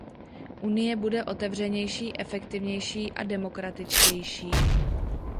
Unie bude otevřenější, efektivnější a demokratičtější.